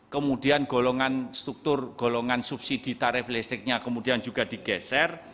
kemudian golongan struktur golongan subsidi tarif listriknya kemudian juga digeser